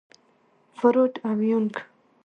فروډ او يونګ.